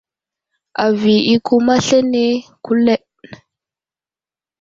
Avi i kum aslane kuleɗ.